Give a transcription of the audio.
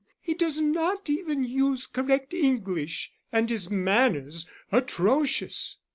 He does not even use correct English, and his manners—atrocious!"